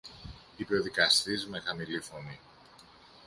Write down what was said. είπε ο δικαστής με χαμηλή φωνή.